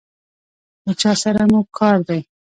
له چا سره مو کار دی؟